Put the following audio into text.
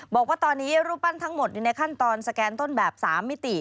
บอกว่าตอนนี้รูปปั้นทั้งหมดอยู่ในขั้นตอนสแกนต้นแบบ๓มิติ